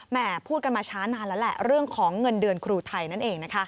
พูดกันมาช้านานแล้วแหละเรื่องของเงินเดือนครูไทยนั่นเองนะคะ